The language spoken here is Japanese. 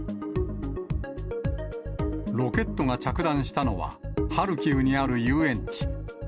ロケットが着弾したのは、ハルキウにある遊園地。